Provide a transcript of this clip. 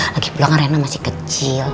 lagi pulang reina masih kecil